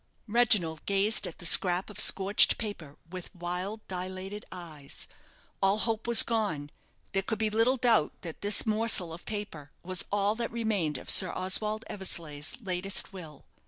Reginald gazed at the scrap of scorched paper with wild, dilated eyes. All hope was gone; there could be little doubt that this morsel of paper was all that remained of Sir Oswald Eversleigh's latest will.